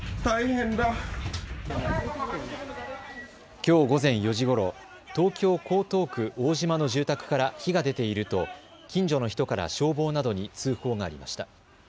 きょう午前４時ごろ、東京江東区大島の住宅から火が出ていると近所の人から消防などに通報がありました。